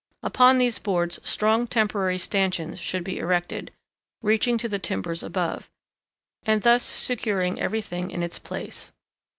Upon these boards strong temporary stanchions should be erected, reaching to the timbers above, and thus securing every thing in its place.